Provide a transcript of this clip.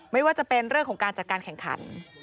ไม่ว่าจะเป็นเรื่องของการจัดการแข่งขัน